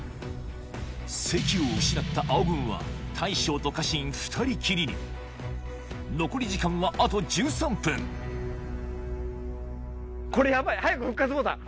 関を失った青軍は大将と家臣２人きりに残り時間はあと１３分これヤバい。